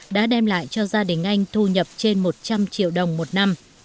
đã đem lại cho gia đình anh thu nhập trên một trăm linh triệu đồng một năm